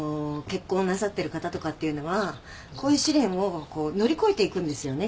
結婚なさってる方とかっていうのはこういう試練を乗り越えていくんですよね？